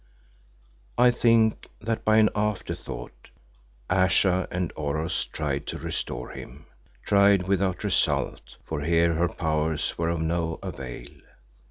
I think that by an afterthought, Ayesha and Oros tried to restore him, tried without result, for here her powers were of no avail.